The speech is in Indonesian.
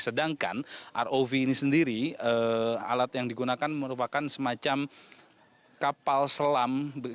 sedangkan rov ini sendiri alat yang digunakan merupakan semacam kapal selam